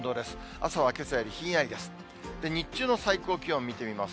朝はけさよりひんやりです。